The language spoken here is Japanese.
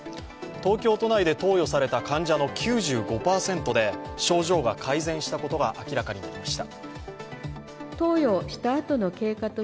東京都内で投与された患者の９５％で症状が改善したことが明らかになりました。